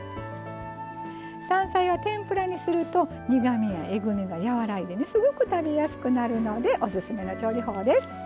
山菜は天ぷらにすると苦みやえぐみが和らいでねすごく食べやすくなるのでおすすめの調理法です。